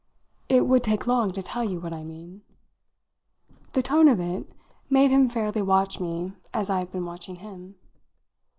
"It would take long to tell you what I mean." The tone of it made him fairly watch me as I had been watching him.